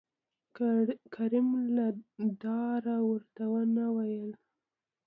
کريم له ډاره ورته ونه ويل